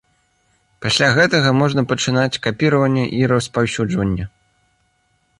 Пасля гэтага можна пачынаць капіраванне і распаўсюджванне.